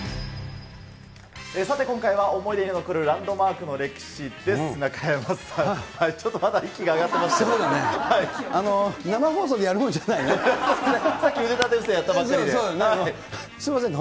さて今回は、思い出に残るランドマークの歴史です、中山さん。